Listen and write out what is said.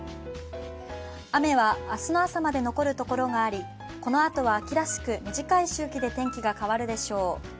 雨は明日の朝まで残るところがあり、このあとは秋らしく短い周期で天気が変わるでしょう。